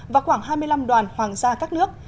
và khoảng hai mươi năm đoàn hoàng gia các nước